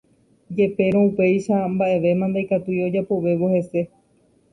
Jepérõ upéicha mba'evéma ndaikatúi ojapovévo hese.